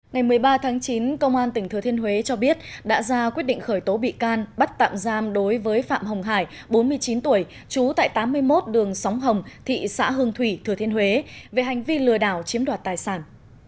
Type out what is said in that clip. ngày một mươi ba tháng chín công an tỉnh thừa thiên huế cho biết đã ra quyết định khởi tố bị can bắt tạm giam đối với phạm hồng hải bốn mươi chín tuổi trú tại tám mươi một đường sóng hồng thị xã hương thủy thừa thiên huế về hành vi lừa đảo chiếm đoạt tài sản